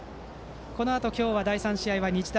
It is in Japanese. このあと、今日は第３試合は日大